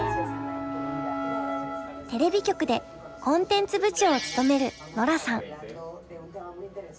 テレビ局でコンテンツ部長を務めるノラさん。